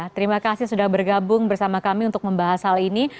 terima kasih sudah bergabung bersama kami untuk membahas hal ini